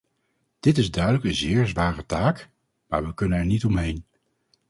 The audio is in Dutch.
Dit is duidelijk een zeer zware taak, maar we kunnen er niet omheen.